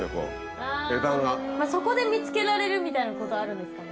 そこで見つけられるみたいなことあるんですかね。